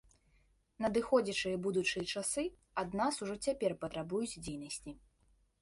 Надыходзячыя будучыя часы ад нас ужо цяпер патрабуюць дзейнасці.